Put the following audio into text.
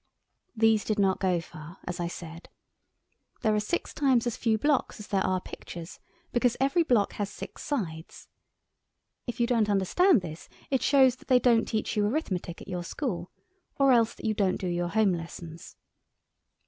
These did not go far, as I said. There are six times as few blocks as there are pictures, because every block has six sides. If you don't understand this it shows they don't teach arithmetic at your school, or else that you don't do your home lessons.